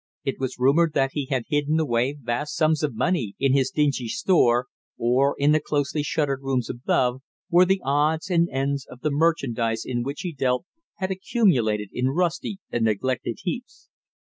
It was rumored that he had hidden away vast sums of money in his dingy store, or in the closely shuttered rooms above, where the odds and ends of the merchandise in which he dealt had accumulated in rusty and neglected heaps.